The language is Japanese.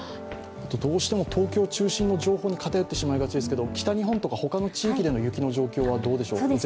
どうしても東京中心の情報に偏ってしまいがちですが北日本とかほかの地域での雪の情報はどうでしょう。